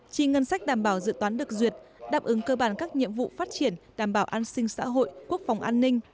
chi ngân sách đảm bảo dự toán được duyệt đáp ứng cơ bản các nhiệm vụ phát triển đảm bảo an sinh xã hội quốc phòng an ninh